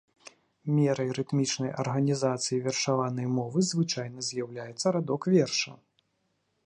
Мерай рытмічнай арганізацыі вершаванай мовы звычайна з'яўляецца радок верша.